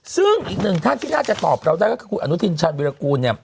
ซึ่งอีกหนึ่งท่านที่น่าจะตอบเราได้ก็คือคุณอนุทินชาญวิรากูลเนี่ย